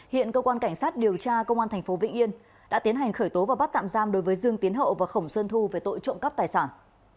hiện cơ quan cảnh sát điều tra công an tp vĩnh yên đã tiến hành khởi tố và bắt tạm giam đối với dương tiến hậu và khổng xuân thu về tội trộm cắp tài sản